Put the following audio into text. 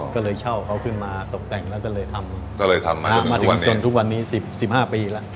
ก็เลยเช่าเขาขึ้นมาตกแต่งแล้วก็เลยทำมาถึงจนทุกวันนี้๑๕ปีแล้ว